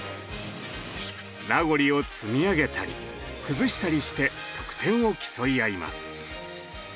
ラゴリを積み上げたり崩したりして得点を競い合います。